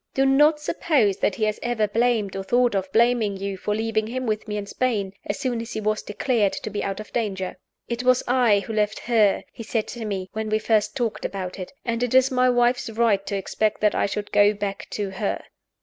Do not suppose that he has ever blamed or thought of blaming you for leaving him with me in Spain, as soon as he was declared to be out of danger. 'It was I who left her,' he said to me, when we first talked about it; 'and it is my wife's right to expect that I should go back to her.